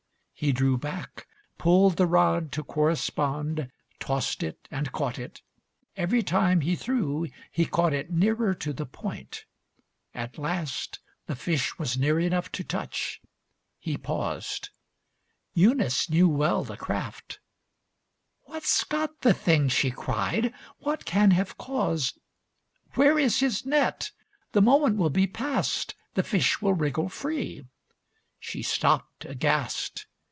He drew back, pulled the rod to correspond, Tossed it and caught it; every time he threw, He caught it nearer to the point. At last The fish was near enough to touch. He paused. Eunice knew well the craft "What's got the thing!" She cried. "What can have caused Where is his net? The moment will be past. The fish will wriggle free." She stopped aghast.